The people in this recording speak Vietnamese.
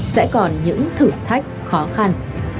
sẽ còn những thử thách khó khăn